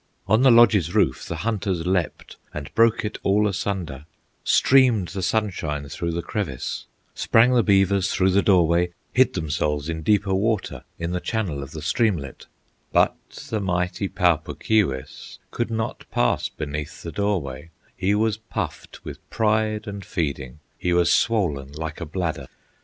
On the lodge's roof the hunters Leaped, and broke it all asunder; Streamed the sunshine through the crevice, Sprang the beavers through the doorway, Hid themselves in deeper water, In the channel of the streamlet; But the mighty Pau Puk Keewis Could not pass beneath the doorway; He was puffed with pride and feeding, He was swollen like a bladder.